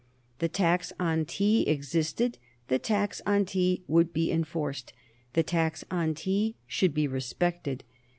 The tax on tea existed; the tax on tea would be enforced; the tax on tea should be respected.